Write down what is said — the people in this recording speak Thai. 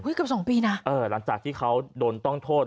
เฮ้ยกับ๒ปีนะหรือหลังจากที่เขาโดนต้องโทษ